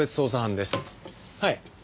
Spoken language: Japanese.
はい。